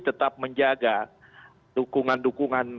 tetap menjaga dukungan dukungan